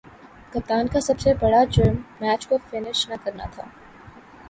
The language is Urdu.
کپتان کا سب سے برا جرم میچ کو فنش نہ کرنا ہے